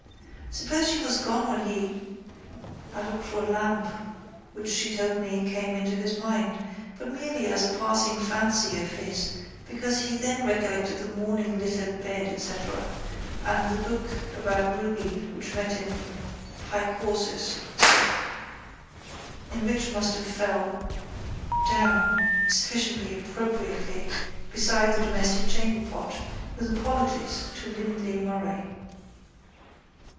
Suppose she was gone when he? I looked for the lamp which she told me came into his mind but merely as a passing fancy of his because he then recollected the morning littered bed etcetera and the book about Ruby with met him pike hoses in it which must have fell down sufficiently appropriately beside the domestic chamberpot with apologies to Lindley Murray.